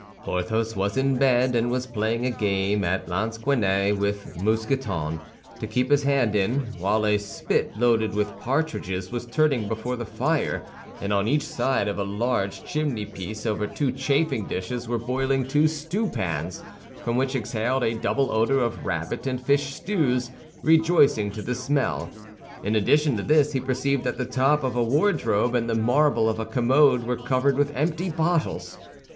Porthos was in bed, and was playing a game at lansquenet with Mousqueton, to keep his hand in; while a spit loaded with partridges was turning before the fire, and on each side of a large chimneypiece, over two chafing dishes, were boiling two stewpans, from which exhaled a double odor of rabbit and fish stews, rejoicing to the smell. In addition to this he perceived that the top of a wardrobe and the marble of a commode were covered with empty bottles.